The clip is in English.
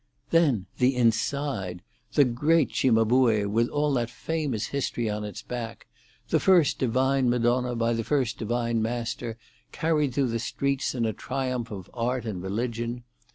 "Then the inside! The great Cimabue, with all that famous history on its back—the first divine Madonna by the first divine master, carried through the streets in a triumph of art and religion!